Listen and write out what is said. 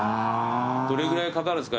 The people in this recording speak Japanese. どれぐらいかかるんすか？